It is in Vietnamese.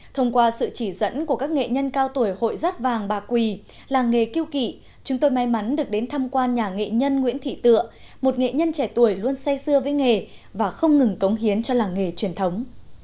thông qua sự chỉ dẫn của các nghệ nhân cao tuổi hội rát vàng bà quỳ làng nghề kiêu kỵ chúng tôi may mắn được đến thăm quan nhà nghệ nhân nguyễn thị tựa một nghệ nhân trẻ tuổi luôn say xưa với nghề và không ngừng cống hiến cho làng nghề truyền thống